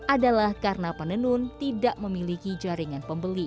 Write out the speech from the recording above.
adalah karena penenun tidak memiliki jaringan pembeli